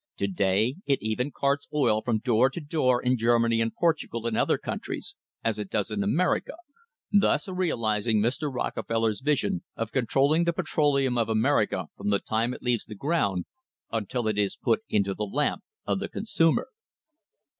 To day it even carts oil from door to door in Germany and Portugal and other countries, as it does in America, thus realising Mr. Rockefeller's vision of controlling the petroleum of America from the time it leaves the ground until it is put into the lamp of the consumer.